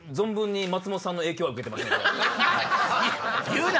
言うな！